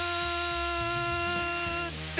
って